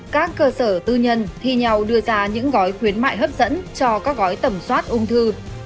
các cơ sở tư nhân thi nhau đưa ra những gói khuyến mại hấp dẫn cho các gói tẩm soát ung thư